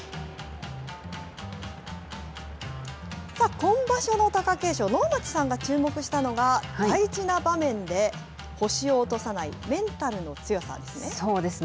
今場所の貴景勝、能町さんが注目したのが、大事な場面で星を落とさないメンタルの強さですね。